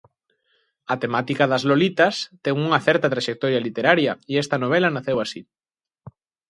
A temática das lolitas ten unha certa traxectoria literaria e esta novela naceu así.